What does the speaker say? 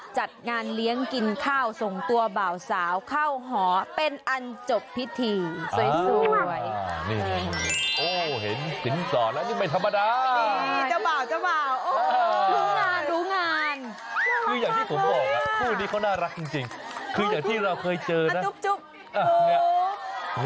จะมีปลอบใจมากเล็กน้อย